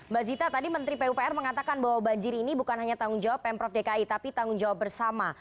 mbak zita tadi menteri pupr mengatakan bahwa banjir ini bukan hanya tanggung jawab pemprov dki tapi tanggung jawab bersama